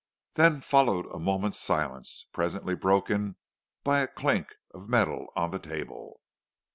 Then followed a moment's silence, presently broken by a clink of metal on the table.